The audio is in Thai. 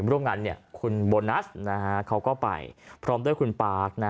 ร่วมงานคุณโบนัสเขาก็ไปพร้อมด้วยคุณปาร์ค